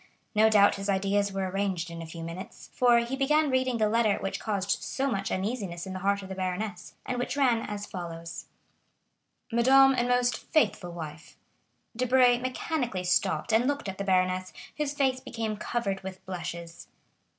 No doubt his ideas were arranged in a few minutes, for he began reading the letter which caused so much uneasiness in the heart of the baroness, and which ran as follows: "'Madame and most faithful wife.'" Debray mechanically stopped and looked at the baroness, whose face became covered with blushes.